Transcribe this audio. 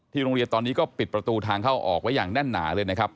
โรงเรียนตอนนี้ก็ปิดประตูทางเข้าออกไว้อย่างแน่นหนาเลยนะครับ